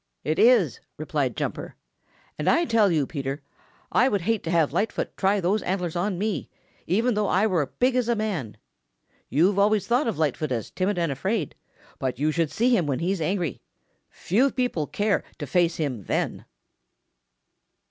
"It is," replied Jumper, "and I tell you, Peter, I would hate to have Lightfoot try those antlers on me, even though I were big as a man. You've always thought of Lightfoot as timid and afraid, but you should see him when he is angry. Few people care to face him then."